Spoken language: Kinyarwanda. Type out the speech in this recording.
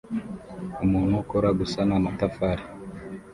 Umuntu ukora gusana amatafari